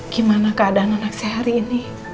gimana keadaan anak sehari ini